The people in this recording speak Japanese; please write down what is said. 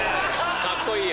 カッコいいよ。